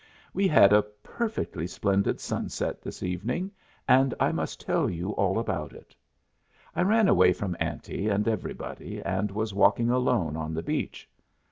We had a perfectly splendid sunset last evening and I must tell you all about it. I ran away from Auntie and everybody and was walking alone on the beach.